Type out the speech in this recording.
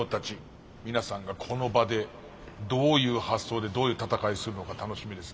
皆さんがこの場でどういう発想でどういう戦いするのか楽しみですね。